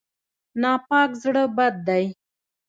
ناپاک زړه بد دی.